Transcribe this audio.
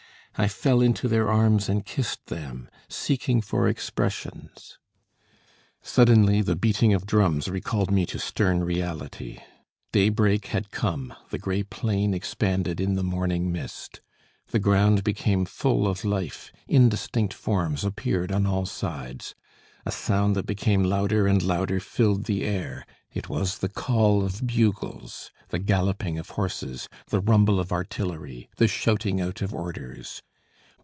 I fell into their arms and kissed them, seeking for expressions Suddenly the beating of drums recalled me to stern reality. Daybreak had come, the grey plain expanded in the morning mist. The ground became full of life, indistinct forms appeared on all sides; a sound that became louder and louder filled the air; it was the call of bugles, the galloping of horses, the rumble of artillery, the shouting out of orders.